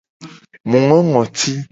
Mu ngo ngoti.